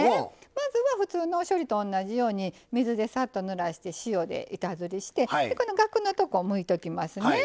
まずは普通の処理と同じように水でサッとぬらして塩で板ずりしてこのガクのとこをむいときますね。